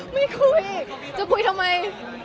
ไม่คุยจะคุยทำไม